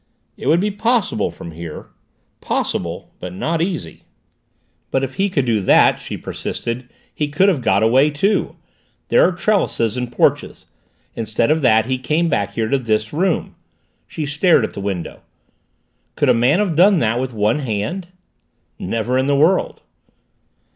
"It would be possible from here. Possible, but not easy." "But, if he could do that," she persisted, "he could have got away, too. There are trellises and porches. Instead of that he came back here to this room." She stared at the window. "Could a man have done that with one hand?" "Never in the world."